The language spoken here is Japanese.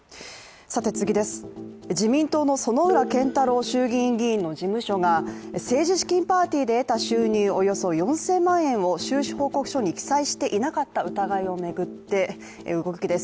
次です、自民党の薗浦健太郎衆議院議員の事務所が政治資金パーティーで得た収入およそ４０００万円を収支報告書に記載していなかった疑いを巡った動きです。